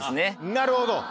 なるほど。